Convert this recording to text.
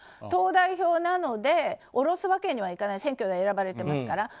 党代表なので下ろすわけにはいかない選挙で選ばれてますから。